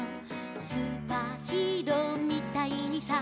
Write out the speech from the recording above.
「スーパーヒーローみたいにさ」